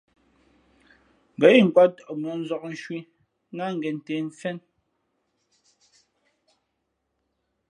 Ngά inkwāt tαʼ mʉ̄ᾱ nzǎk nshwī ná ngěn ntē mfén.